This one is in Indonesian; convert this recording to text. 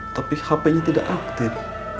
tapi hpnya tidak aktif